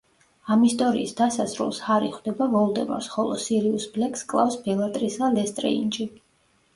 ამ ისტორიის დასასრულს ჰარი ხვდება ვოლდემორს, ხოლო სირიუს ბლეკს კლავს ბელატრისა ლესტრეინჯი.